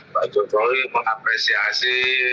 pak jokowi mengapresiasi